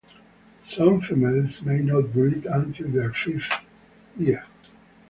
Some females may not breed until their fifth year.